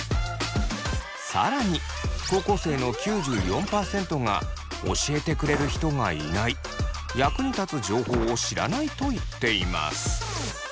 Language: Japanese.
更に高校生の９４％が「教えてくれる人がいない」「役に立つ情報を知らない」と言っています。